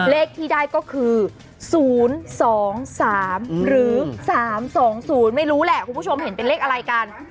เลขที่ได้ก็คือ๐๒๓หรือ๓๒๐ไม่รู้แหละคุณผู้ชมเห็นเป็นเลขอะไรกัน